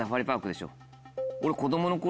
俺。